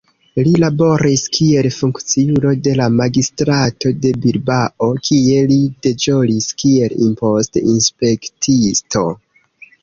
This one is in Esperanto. Li laboris kiel funkciulo de la magistrato de Bilbao, kie li deĵoris kiel impost-inspektisto.